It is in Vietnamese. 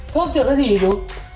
thuốc chứ có gì chú